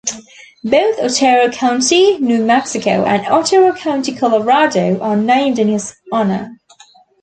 Both Otero County, New Mexico and Otero County, Colorado are named in his honor.